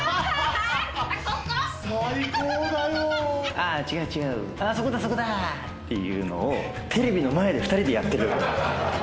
ああ、違う、違う、あ、そこだ、そこだーっていうのを、テレビの前で２人でやってる。